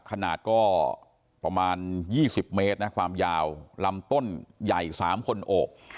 ขนาดก็ประมาณ๒๐เมตรนะความยาวลำต้นใหญ่๓คนโอบ